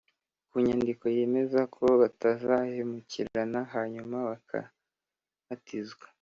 ku nyandiko yemeza ko batazahemukirana hanyuma bakabatizwa